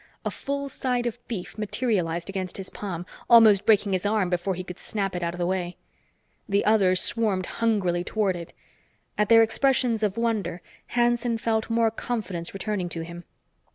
A full side of beef materialized against his palm, almost breaking his arm before he could snap it out of the way. The others swarmed hungrily toward it. At their expressions of wonder, Hanson felt more confidence returning to him.